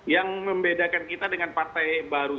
yang membedakan kita dengan partai baru